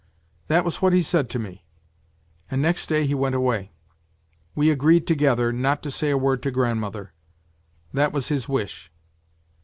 " That was what he said to me, and next day he went away. We agreed together not to say a word to grandmother : that was his wish.